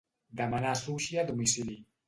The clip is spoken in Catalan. Demanar sushi a domicili.